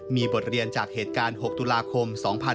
มีบทเรียนจากเหตุการณ์๖ตุลาคม๒๕๖๒